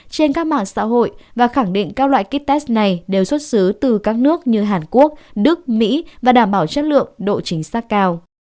trên các mạng xã hội và khẳng định các loại kites này đều xuất xứ từ các nước như hàn quốc đức mỹ và đảm bảo chất lượng độ chính xác cao